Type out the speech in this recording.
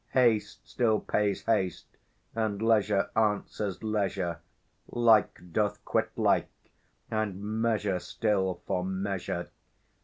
Haste still pays haste, and leisure answers leisure; Like doth quit like, and MEASURE still FOR MEASURE.